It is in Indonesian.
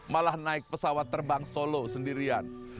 malah naik pesawat terbang solo sendirian